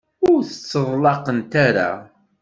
Ur tteḍlaqent ara.